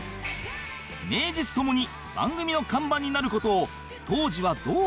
名実ともに番組の看板になる事を当時はどう思っていたのか？